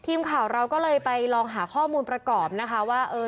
ทีมข่าวเราก็เลยไปลองหาข้อมูลประกอบนะคะว่า